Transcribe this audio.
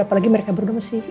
apalagi mereka berdua masih